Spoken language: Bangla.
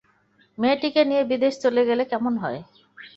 মেয়েটিকে নিয়ে বিদেশে চলে গেলে কেমন হয়?